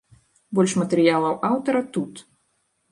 Больш матэрыялаў аўтара тут.